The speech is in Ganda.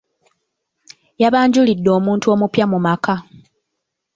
Yabanjulidde omuntu omupya mu maka.